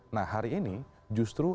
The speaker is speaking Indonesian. nah hari ini justru